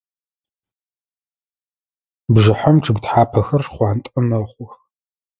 Бжыхьэм чъыг тхьапэхэр шхъуантӏэ мэхъух.